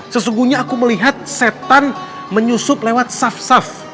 sesungguhnya aku melihat setan menyusup lewat saf saf